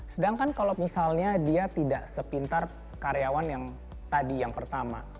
sedangkan kalau misalnya dia tidak sepintar karyawan yang tadi yang pertama